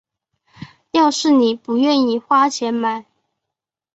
要是妳不愿意花钱买